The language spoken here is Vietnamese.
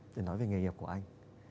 để nói về nghề nghiệp của anh